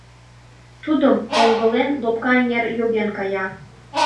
Тудым оҥгылен, лопка эҥер йоген кая;